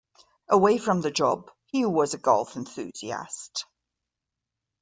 Away from the job, he was a golf enthusiast.